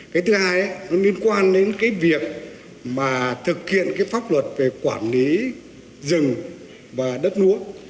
cái thứ hai nó liên quan đến cái việc mà thực hiện cái pháp luật về quản lý rừng và đất núa